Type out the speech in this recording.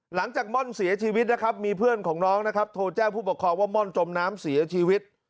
ม่อนเสียชีวิตนะครับมีเพื่อนของน้องนะครับโทรแจ้งผู้ปกครองว่าม่อนจมน้ำเสียชีวิต